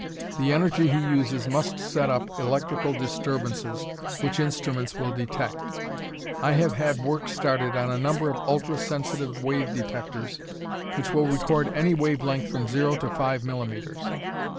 The energy he uses must set up electrical disturbances which instruments will detect. I have had work started on a number of ultra sensitive wave detectors which will record any wave length from zero to five millimeters.